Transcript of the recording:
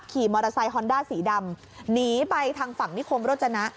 ขี่มอเตอร์ไซคอนด้าสีดำหนีไปทางฝั่งนิคมโรจนะ